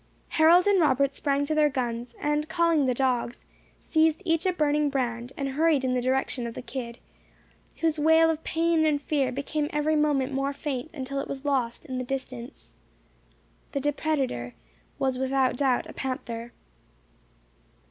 Harold and Robert sprang to their guns, and calling the dogs, seized each a burning brand, and hurried in the direction of the kid, whose wail of pain and fear became every moment more faint, until it was lost in the distance. The depredator was without doubt a panther.